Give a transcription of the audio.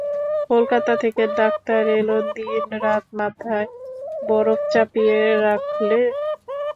কলকাতা থেকে ডাক্তার এল– দিনরাত মাথায় বরফ চাপিয়ে রাখলে।